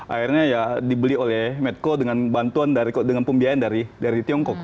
akhirnya ya dibeli oleh medco dengan bantuan dengan pembiayaan dari tiongkok